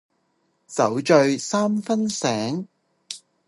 酒醉三分醒